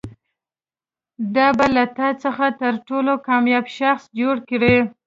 دا به له تا څخه تر ټولو کامیاب شخص جوړ کړي.